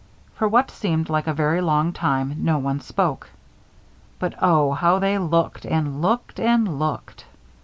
For what seemed like a very long time, no one spoke. But oh, how they looked and looked and looked!